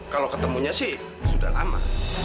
kalau ketemunya sih sudah lama